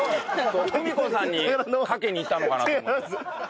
久美子さんにかけにいったのかなと思って。